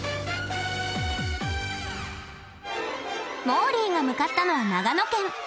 もーりーが向かったのは長野県。